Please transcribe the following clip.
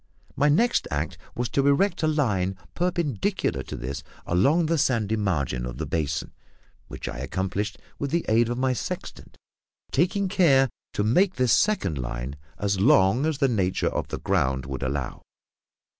My next act was to erect a line perpendicular to this along the sandy margin of the basin, which I accomplished with the aid of my sextant, taking care to make this second line as long as the nature of the ground would allow.